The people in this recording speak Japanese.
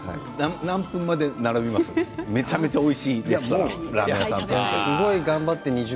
何分まで並びますかめちゃめちゃおいしいラーメン屋さん。